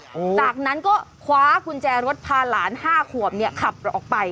จากนั้นก็คว้ากุญแจรถพาหลาน๕ขวบขับออกไป